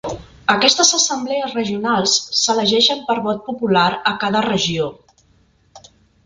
Aquestes assemblees regionals s'elegeixen per vot popular a cada regió.